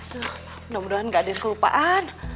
tuh mudah mudahan gak ada yang kelupaan